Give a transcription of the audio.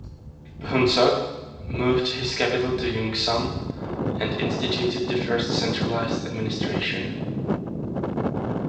Phuntsog moved his capital to Yuksom and instituted the first centralised administration.